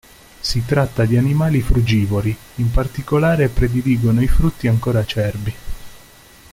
Si tratta di animali frugivori: in particolare, prediligono i frutti ancora acerbi.